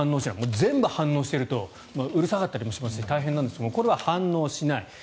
全部反応しているとうるさかったりもしますし大変なんですがこれは反応しない。